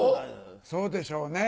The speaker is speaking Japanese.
そうでしょうね